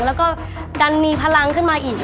แล้วก็ดันมีพลังขึ้นมาอีก